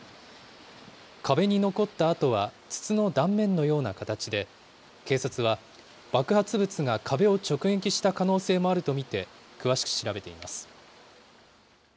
壁に残った痕は筒の断面のような形で、警察は爆発物が壁を直撃した可能性もあると見て、詳しく調べています。